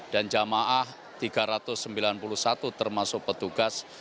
dan jamaah tiga ratus sembilan puluh satu termasuk petugas